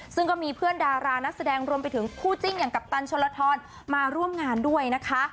ซึ่งก็มีเพื่อนดารานักแสดงรวมไปถึงคู่จิ้นอย่างกัปตันชนลทรมาร่วมงานด้วยนะคะ